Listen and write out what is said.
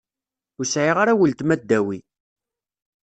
Ur sεiɣ ara uletma ddaw-i.